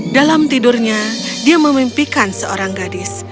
dalam tidurnya dia memimpikan seorang gadis